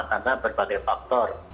karena berbagai faktor